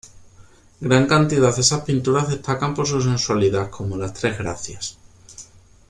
Gran cantidad de estas pinturas destacan por su sensualidad, como "Las tres Gracias".